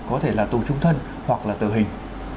có thể là tù trung thân hoặc là tử hình